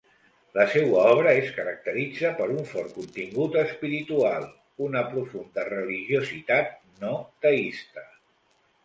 La seua obra es caracteritza per un fort contingut espiritual, una profunda religiositat no teista.